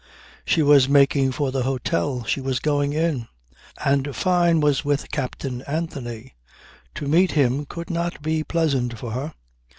She was making for the hotel, she was going in. And Fyne was with Captain Anthony! To meet him could not be pleasant for her.